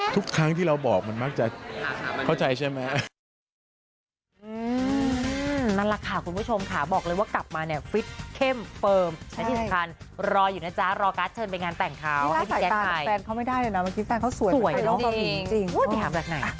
ทุกครั้งที่เราบอกมันมักจะเข้าใจใช่ไหม